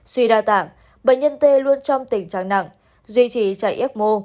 suy đa tạng bệnh nhân t luôn trong tình trạng nặng duy trì chạy ecmo